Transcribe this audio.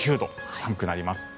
寒くなります。